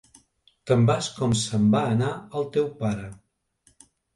Te'n vas com se'n va anar el teu pare.